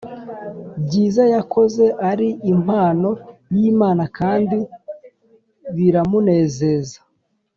byiza yakoze ari impano y Imana kandi biramunezeza